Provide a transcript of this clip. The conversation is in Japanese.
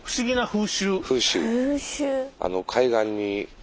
風習。